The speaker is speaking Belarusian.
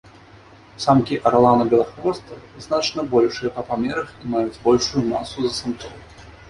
Самкі арлана-белахвоста значна большыя па памерах і маюць большую масу за самцоў.